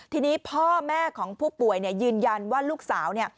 ทีนี้พ่อและแม่ของผู้ป่วยยืนยันว่าลูกสาว